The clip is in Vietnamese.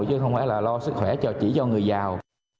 chứ không phải là lo sức khỏe chỉ cho người giàu